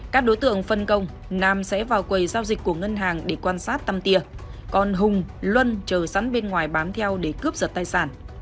các đối tượng phân công nam sẽ vào quầy giao dịch của ngân hàng để quan sát tăm tia còn hùng luân chờ rắn bên ngoài bám theo để cướp giật tài sản